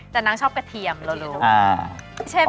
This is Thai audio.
แต่นางชอบกระเทียมเรารู้